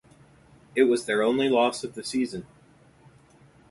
It was their only loss of the season.